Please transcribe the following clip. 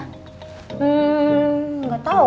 hmm nggak tau